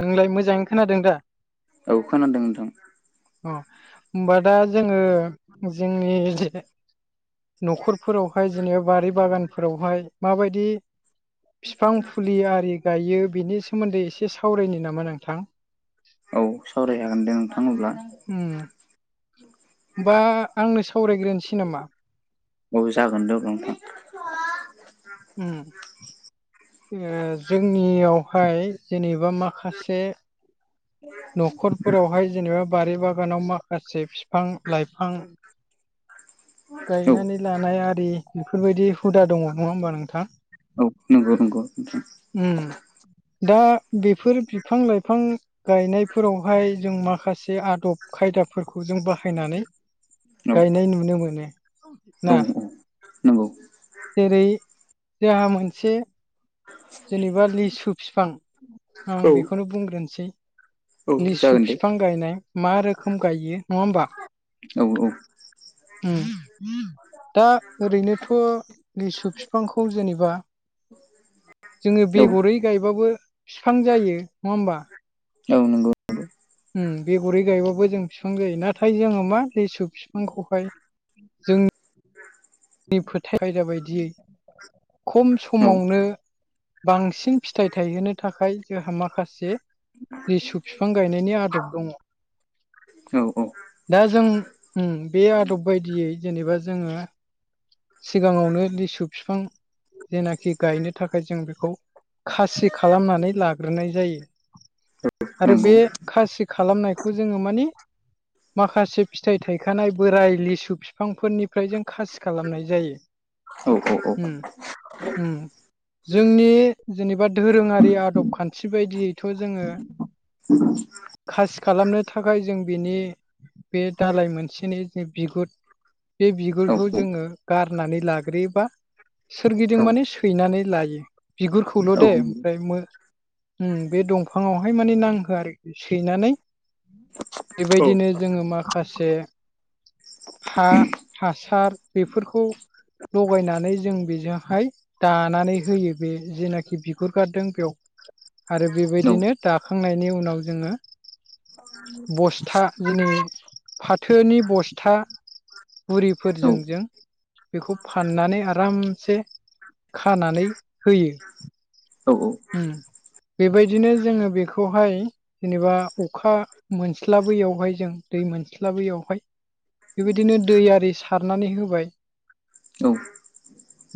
नोंलाय मोजाङैनो खोनादों दा औ खोनादों नोंथां अ होमबा दा जोङो जोंनि जे न'खरफोरावहाय जेनेबा बारि बागानफोरावहाय माबायदि । फिफां फुलि आरि गायो बिनि सोमोन्दै एसे सावरायनि नामा नोंथां? औ सावराय जागोन दे नोंथां अब्ला। होमबा आंनो सावरायग्रोनोसै नामा औ जागोन दे नोंथां ओम जोङो जोंनियावहाय जेनेबा माखासे नयस न'खरफोरावहाय जेनेबा बारि बागानाव माखासे बिफां लाइफां । औ गायनानै लानाय आरि बेफोरबायदि हुदा दङ नङा होमबा नोंथां। नोंगौ नोंगौ नोंथां। ओम दा बेफोर बिफां लाइफां। गायनायफोरावहाय जों माखासे आदब खायदाफोरखौ जों बाहायनानै। गायनाय नुनो मोनो ना? नंगौ जेरै जोंहा मोनसे । जेनेबा लिसु फिफां आं नोंथां औ औ बेखौनो बुंग्रोनोसै नंगौ औ लिसु जागोन दे फिफां। गायनाय मा रोखोम गायो नङा होमबा? औ औ उम दा ओरैनोथ' लिसु बिफांखौ जेनेबा । जोङो औ बेगरै गायबाबो बिफां जायो नङा होमबा? औ नंगौ। उम बेगरै गायबाबो जों बिफां गायो नाथाय जोङो मा लेसु बिफांखौहाय। फोथाय आयदा बायदियै खम औ समावनो बांसिन फिथाइ थायहोनो थाखाय जोंहा माखासे। लिसु बिफां गायनायनि आदब दङ। औ औ। दा जों उम बे आदब बायदियै जेनेबा जोङो। सिगाङावनो लिसु फिफां। जेनाखि गायनो थाखाय जों बेखौ खासि खालामनानै लाग्रोनाय जायो। आरो नंगौ बे खासि खालामनायखौ जोङो माने माखासे। फिथाइ थायखानाय बोराइ लिसु फिफांफोरनि । फ्राय जों खासि खालामनाय जायो औ औ औ उम उम। जोंनि जेनेबा धोरोङारि आदब खान्थि बायदियैथ' जोङो। [unintelligible] खासि खालामनो थाखाय जों बिनि बे दालाय मोनसेनि जे बिगुर बे औ बिगुरखौ औ जोङो गारनानै लाग्रोयोबा । सोरगिदिं माने सैनानै लायो। बिगुरखौल' नंगौ दे औ ओमफ्राय मो उम बे दं फाङावहाय माने नांहोआरोखि सैनानै बेबायदिनो जोङो माखासे। हा हासार बेफोरखौ लगायनानै जों बेजोंहाय । दानानै होयो बे जेनाखि बिगुर गारदों बेव आरो नंगौ औ बेबायदिनो दाखांनायनि उनाव जोङो बस्था दिनै फाथोनि बस्था औ बुरिफोरजों औ जों बेखौ फाननानै आरामसे खानानै होयो। औ औ। उम बेबायदिनो जोङो बेखौहाय जेनेबा अखा मोनस्लाबैयावहाय जों दै मोनस्लाबैयावहाय बेबायदिनो दै आरि सारनानै होबाय। औ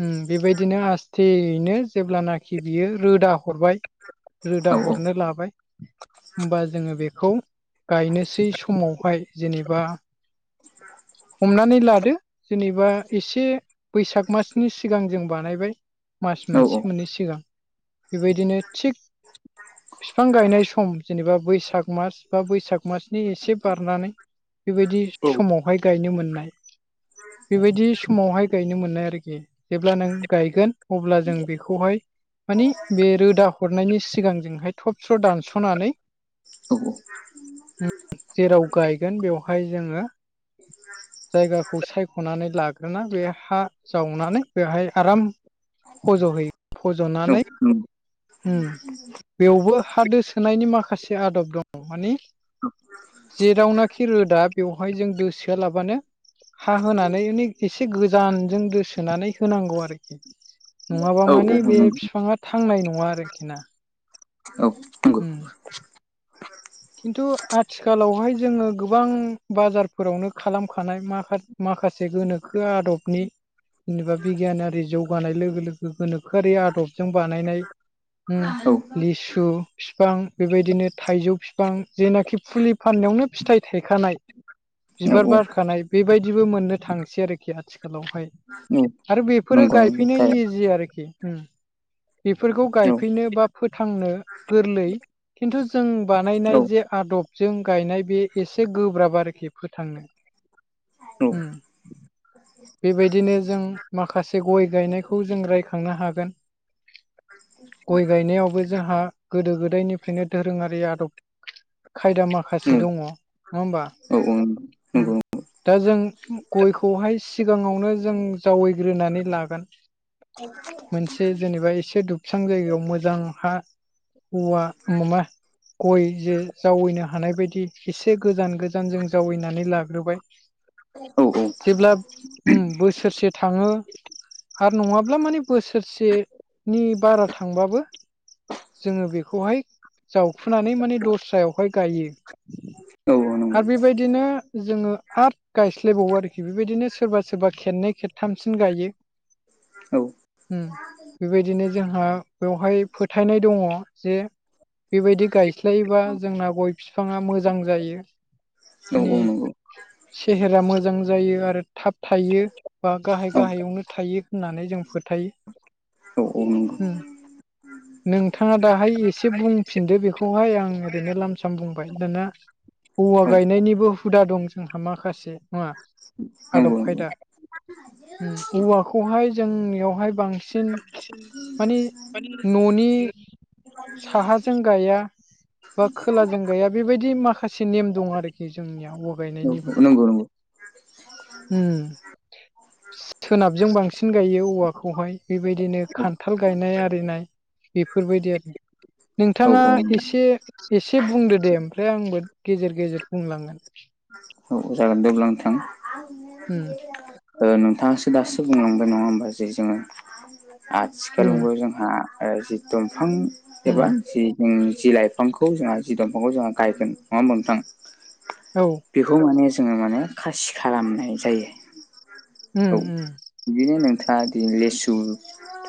उम बेबायदिनो आस्थेयैनो जेब्लानाखि बियो रोदा हरबाय। रोदा औ हरनो लाबाय। होमबा जोङो बेखौ गायनोसै समावहाय जेनेबा [unintelligible] [inaudible] हमनानै लादो जेनेबा एसे बैसाग मासनि सिगां जों बानायबाय। मास मोनसे मोननै सिगां बेबायदिनो थिग फिफां गायनाय सम जेनेबा बैसाग मास बा बैसाग मासनि एसे बारनानै बेबायदि समावहाय गायनो मोननाय। बेबायदि समावहाय गायनो मोननाय आरोखि जेब्ला नों गायगोन अब्ला जों बेखौहाय मानि बे रोदा हरनायनि सिगांजोंहाय थब स्र' दानस'नानै औ-औ जेराव गायगोन बेवहाय जोङो [unintelligible] [inaudible] जायगाखौ सायख'नानै लाग्रोना बे हा जावनानै बेहाय आराम फज'हैयो फज'नानै उम बेवबो हादो सोनायनि माखासे आदब दङ माने जेेरावनाखि रोदा बेवहाय जों दोसोआलाबानो हा होनानै मान एसे गोजानजों दोसोनानै होनांगौ आरोखि नङाबा मानि बे बिफाङा थांनाय नङा आरोखि ना। औ उम खिन्थु आथिखालावहाय जोङो गोबां बाजारफोरावनो खालामखानाय माखा माखासे गोनोखो आदबनि जेनेबा बिगियानारि जौगानाय लोगो लोगो गोनोखोआरि आदबजों बानायनाय उम लिसु फिफां बेबायदिनो थाइजौ फिफां जेनाखि फुलि फाननायावनो फिथाइ थायखानाय। बिबार बारखानाय बेबायदिबो मोननो थांसै आरोखि आथिखालावहाय। आरो बेफोरो गायफैनो इजि आरोखि उम बेफोरखौ गायफैनो बा फोथांनो गोरलै खिन्थु जोंबा नायनाय जे आदबजों गायनाय बे एसे गोब्राब आरोखि फोथांनो। औ उम बेबायदिनो जों माखासे गय गायनायखौ जों रायखांनो हागोन। गय गायनायावबो जोंहा गोदो गोदायनिफ्रायनो दोरोङारि आदब खायदा माखासे दङ नङा होमबा? औ नंगौ दा जों गयखौहाय सिगाङावनो जों जावैग्रोनानै लागोन मोनसे जेनेबा एसे दुबस्रां जायगायाव मोजां हा औवा अमामा गय जे जावैनो हानाय बायदि एसे गोजान गोजान जों जावैनानै लाग्रोबाय। औ-औ जेब्ला उम बोसोरसे थाङो। आरो नङाब्ला माने बोसोरसेनि बारा थांबाबो जोङो बेखौहाय जावखुनानै माने दस्रायावहाय गायो। औ नं आरो बेबायदिनो जोङो आरट गायस्लायबावो आरोखि बेबायदिनो सोरबा सोरबा खेननै खेबथामसिन गायो। औ उम बेबायदिनो जोंहा बेवहाय फोथायनाय दङ जे बेबायदि गायस्लायोबा जोंना गय बिफाङा मोजां जायो। माने औ-औ नंगौ सेहेरा मोजां जायो आरो थाब थायो बा औ गाहाय गाहायावनो थायो होननानै जों फोथायो । औ औ नोंगौ। नोंथाङा दाहाय एसे बुंफिनदो बेखौहाय आं ओरैनो लाम साम बुंबाय दाना । औवा गायनायनिबो हुदा दं जोंहा माखासे नङा आदब नंगौ नंगौ। खायदा उम औवाखौहाय जोंनियावहाय बांसिन माने न'नि [inaudible] साहाजों गाया बा खोलाजों गाया बेबायदि माखासे नेम दं आरोखि जोंनिया गायनायनिबो नोंगौ नोंगौ। उम। सोनाबजों बांसिन गायो औवाखौहाय बेबायदिनो खान्थाल गायनाय आरिनाय बेफोरबायदि आरो । औ नोंथाङा औ एसे एसे बुंदो दे ओमफ्राय आंबो गेजेर गेजेर बुंलांगोन। औ जागोन देब्ला आ नोंथां । ओम। ओ नोंथाङासो दासो बुंलांबाय नङा होमबा जे जोङो आथिखाल उम मुगायाव जों हा जि दंफां उम एबा जि जों जि लाइफांखौ जोंहा जि दंफांखौ जोंहा गायगोन नङा होमबा नोंथां? औ। बेखौ माने जोङो माने खासि खालामनाय जायो। औ ओम ओम। बिदिनो नोंथाङा दे लेसु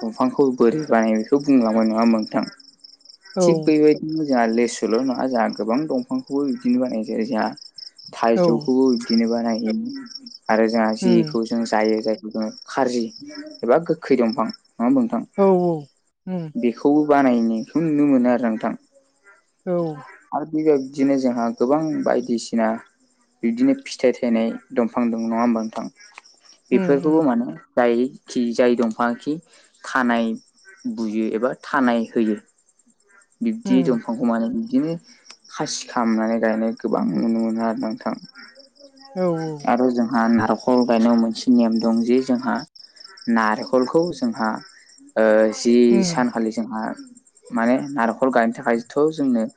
दंफांखौ बोरै बानाय बेखौ बुंलांबाय नङा होमबा नोंथां? औ थिग बेबायदिनो जाहा लेसुल' नङा जाहा गोबां दंफांखौबो बिदिनो बानायनाय जायो जाहा। औ थाइजौखौबो बिदिनो बानाय आरो जाहा उम जिखौ जों जायो जायखौ जोङो खारजि एबा गोखै दंफां नङा होमबा नोंथां? औ औ। बेखौबो बानायनायखौ नुनो मोनो आरो नोंथां। औ। आरो बेबायदिनो जोंहा गोबां बायदिसिना बिदिनो फिथाइ थायनाय दंफां दं नङा होमबा नोंथां उम उम बेफोरखौबो मानो जाय खि जाय दंफांआ खि थानाय बुयो एबा थानाय होयो बिब्दि उम दंफांखौ मा होनो बिबदिनो खासि खालामनानै गायनाय गोबां नुनो मोनो आरो नोंथां। औ आरो जोंहा नारेंख खल गायनायाव मोनसे नेम दं जे जोंहा नारेखलखौ जोंहा ओ जि उम सानखालि जोंहा माने नारेखल गायनो थाखायथ' जोंनो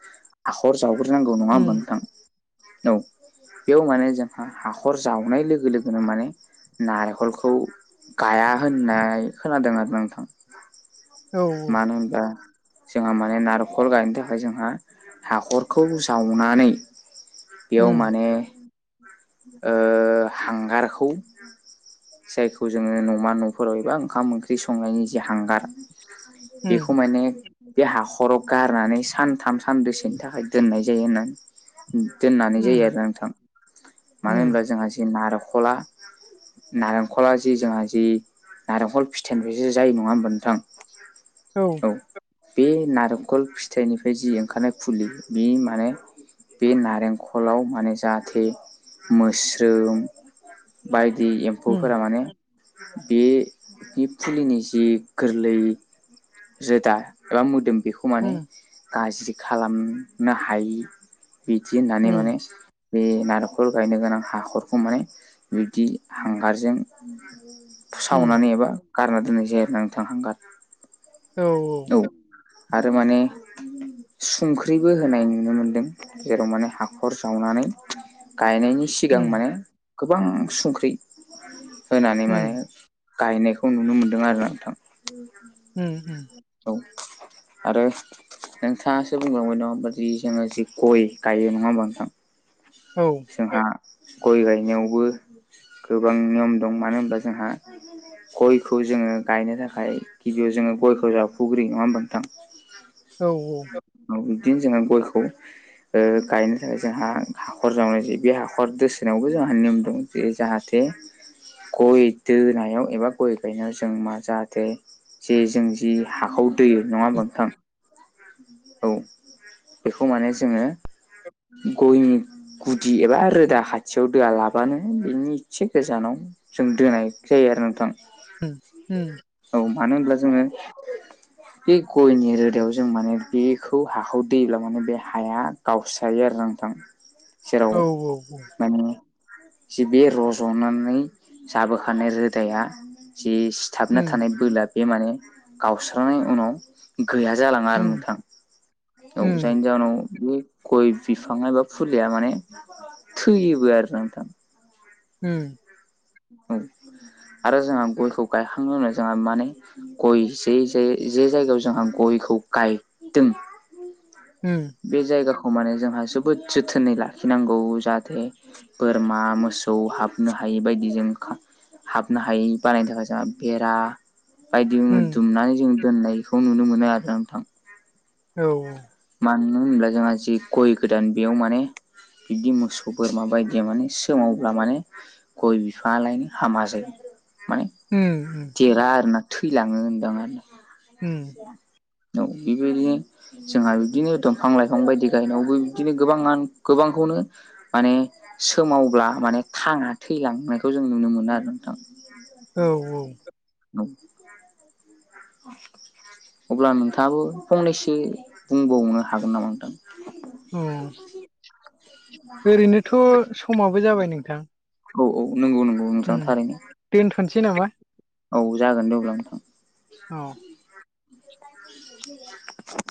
हाखर जावग्रोनांगौ नङा उम होमबा नोंथां औ। बेयाव माने जोंहा हाखर जावनाय लोगो लोगोनो माने नारेखलखौ गाया होननाय खोनादों आरोना नोंथां। औ मानो होनबा जोंहा माने नारेखल गायनो थाखाय जोंहा हाखरखौ जावनानै बेयाव उम माने हांगारखौ जायखौ जोङो न'मा न'फोराव एबा ओंखाम ओंख्रि संनायनि जे हांगार उम बेखौ माने बे हाखराव गारनानै सानथाम सानदैसेनि थाखाय दोननाय जायो होननानै। दोननानै उम जायो आरोना नोंथां मानो उम होनबा जोंहा जि नारेखला नारेंखला जि जोंहा जि नारेंखल फिथाइनिफ्रायसो जायो नङा होमबा नोंथां? [inaudible] औ औ बे नारेंखल फिथाइनिफ्राय जि ओंखारनाय फुलि बे माने बे नारेंखलाव माने जाहाथे मोस्रोम बायदि एम उम एम्फौफोरा माने बे बे फुलिनि जि गोरलै रोदा एबा मोदोम बेखौ माने उम गाज्रि खालामनो हायि बिदि होननानै उम उम माने बे नारेंखल गायनो गोनां हाखरखौ माने बिब्दि हांगारजों सावनानै एबा गारना दोननाय जनानै थांहांगार औ औ। औ आरो माने। संख्रिबो होनाय नुनो मोनदों जेराव माने हाखर जावनानै गायनायनि सिगां उम माने गोबां संख्रि होनानै माने उम गायनायखौ नुनो मोन्दों आरो नोंथां। उ [unintelligible] उम उम। औ आरो। नोंथाङासो बुंलांबाय नङा होनबादि जोङो जि गय गायो नङा होमबा नोंथां। औ। जोंहा गय गायनायावबो गोबां नियम दं मानो होनबा जोंहा। गयखौ जोङो गायनो थाखाय गिबियाव जोङो गयखौ जाव उरि नङा होनबा नोंथां। औ औ। औ बिदिनो जोंङो गयखौ गायनो थाखाय जोंहा हाखर जावनाय जायो बे हाखर दोसोनायावबो जोंहा नियम दं। जे जाहाथे गय दोनायाव एबा गय गायनायाव जों मा जाहाथे जे जों जि हाखौ दैयो नङा होनबा नोंथां। औ बेखौ माने जोङो गयनि गुदि एबा रोदा खाथियाव दोआ लाबानो बिनि इसे गोजानाव जों दोनाय जायो आरो नोंथां। [inaudible] औ मानो होनब्ला जोङो बे गयनि रोदायाव जों माने बेखौ हाखौ दैलोमो माने बे हाया गावस्रायो आरो नोंथां। जेराव औ औ माने जि बे रज'नानै जाबोखानाय रोदाया जि हाबना उम थानाय बोला बे माने गावस्रांनायनि उनाव गैया जालाङा आरो उम नोंथां औ उम जायनि जाउनाव बे गय बिफां एबा फुलिया माने थैयोबो आरो नोंथां। हम। आरो जोंहा गयखौ गायखांनो उनाव जोंहा माने गय जे जे जे जायगायाव जोंहा गयखौ गायदों। हम। बे जायगाखौ माने जोंहा जोबोद जोथोनै लाखिनांगौ जाहाथे बोरमा मोसौ हाबनो हायि बायदि जों खा हाबनो हायि बानायनो थाखाय जों बेरा बायदि उम दुमनानै जों दोननायखौ नुनो मोनो आरोना नोंथां। औ औ। मानो होनोब्ला जोंहा जे गय गोदान बेयाव माने बिदि मोसौ बोरमा बायदि माने सोमावब्ला माने गय बिफाङालायनो हामा जायो। माने उम उम देरा आरोना थैलाङो होनदां आरो ना उम औ बेबायदिनो जोंहा बिदिनो दंफां लाइफां बायदि गायनायावबो बिदिनो गोबाङानो गोबांखौनो माने सोमावब्ला माने थाङा थैलांनायखौ जों नुनो मोनो आरो नोंथां। औ औ औ अब्ला नोंथाङाबो फंनैसो बुंबावनो हागोन नामा नोंथां? अ ओरैनोथ' समाबो जाबाय नोंथां औ औ नंगौ नंगौ नोंथां उम थारैनो दोनथ'नोसै नामा? औ जागोन दे अब्ला नोंथां औ [inaudible]